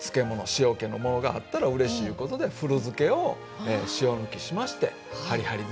塩けのものがあったらうれしいいうことで古漬けを塩抜きしましてはりはり漬け。